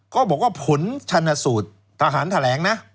ก็บอกว่าผลชนสูตรทหารแถลงนะ